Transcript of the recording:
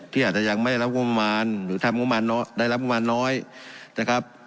ที่อาจจะยังไม่รับงบประมาณหรือทำงบประมาณได้รับงบประมาณน้อยนะครับ